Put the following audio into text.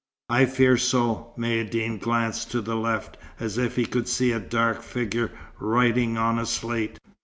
"I fear so." Maïeddine glanced to the left, as if he could see a dark figure writing on a slate.